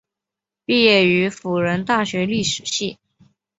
毕业于辅仁大学历史系。